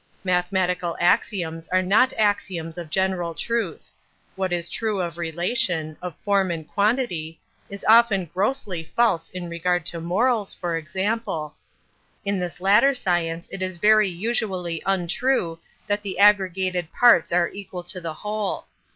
Mathematical axioms are not axioms of general truth. What is true of relation—of form and quantity—is often grossly false in regard to morals, for example. In this latter science it is very usually untrue that the aggregated parts are equal to the whole.